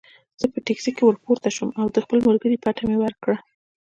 زه په ټکسي کې ورپورته شوم او د خپل ملګري پته مې ورکړه.